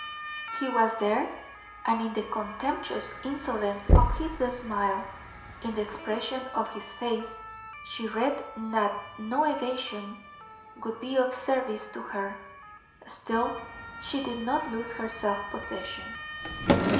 He was there, and in the contemptuous insolence of his smile, in the expression of his face, she read that no evasion would be of service to her. Still she did not lose her self possession.